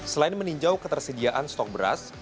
selain meninjau ketersediaan stok beras